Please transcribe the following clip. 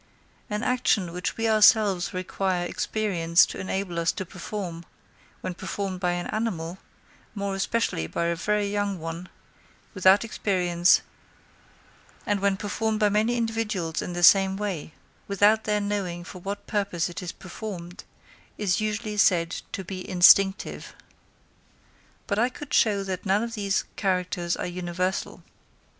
An action, which we ourselves require experience to enable us to perform, when performed by an animal, more especially by a very young one, without experience, and when performed by many individuals in the same way, without their knowing for what purpose it is performed, is usually said to be instinctive. But I could show that none of these characters are universal.